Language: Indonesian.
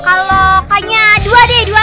kalau kayaknya dua deh dua